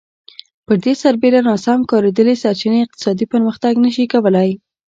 پر دې سربېره ناسم کارېدلې سرچینې اقتصادي پرمختګ نه شي کولای